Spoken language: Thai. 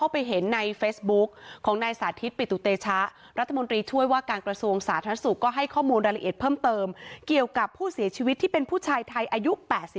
ผู้เสียชีวิตที่เป็นผู้ชายไทยอายุ๘๘